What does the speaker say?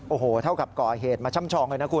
โอ้โหเท่ากับก่อเหตุมาช่ำชองเลยนะคุณ